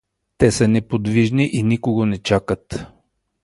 Те са неподвижни и никого не чакат.